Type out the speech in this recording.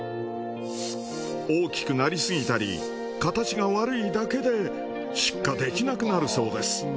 大きくなりすぎたり形が悪いだけで出荷できなくなるそうです。